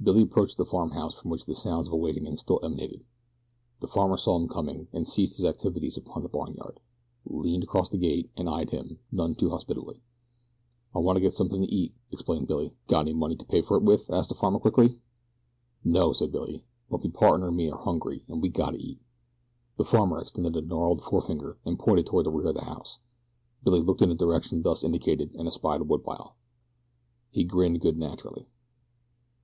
Billy approached the farmhouse from which the sounds of awakening still emanated. The farmer saw him coming, and ceasing his activities about the barnyard, leaned across a gate and eyed him, none too hospitably. "I wanna get something to eat," explained Billy. "Got any money to pay for it with?" asked the farmer quickly. "No," said Billy; "but me partner an' me are hungry, an' we gotta eat." The farmer extended a gnarled forefinger and pointed toward the rear of the house. Billy looked in the direction thus indicated and espied a woodpile. He grinned good naturedly.